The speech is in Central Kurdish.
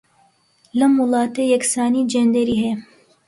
لەم وڵاتە یەکسانیی جێندەری هەیە.